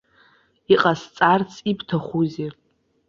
Иҟасҵарц ибҭахузеи?